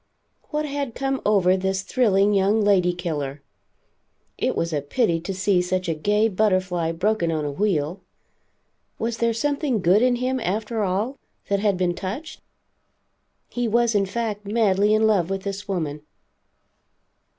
What had come over this thrilling young lady killer? It was a pity to see such a gay butterfly broken on a wheel. Was there something good in him, after all, that had been touched? He was in fact madly in love with this woman.